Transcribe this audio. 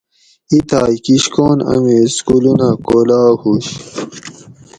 اِتھائی کِشکون امی سکولونہ کھولا ہُوش